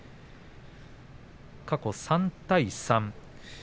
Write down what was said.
過去３対３。